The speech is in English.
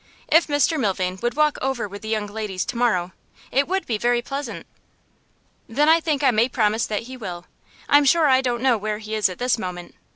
If Mr Milvain would walk over with the young ladies to morrow, it would be very pleasant.' 'Then I think I may promise that he will. I'm sure I don't know where he is at this moment.